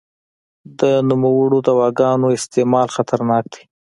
د نوموړو دواګانو استعمال خطرناک دی.